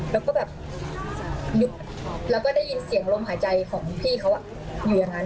แล้วก็แบบแล้วก็ได้ยินเสียงลมหายใจของพี่เขาอยู่อย่างนั้น